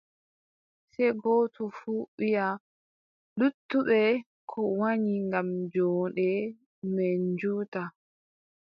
Sey gooto fuu wiʼa luttuɓe ko wanyi ngam joonde meen juuta.